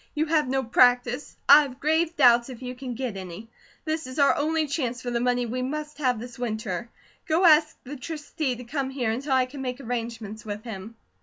You have no practice; I have grave doubts if you can get any; this is our only chance for the money we must have this winter. Go ask the Trustee to come here until I can make arrangements with him."